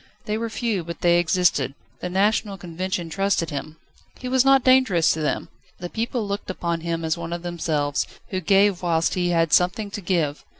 They were few, but they existed. The National Convention trusted him. "He was not dangerous" to them. The people looked upon him as one of themselves, who gave whilst he had something to give.